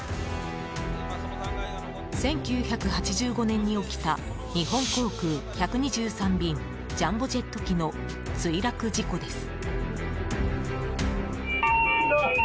１９８５年に起きた日本航空１２３便ジャンボジェット機の墜落事故です。